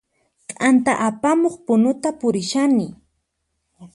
T'anta apamuq punuta purishani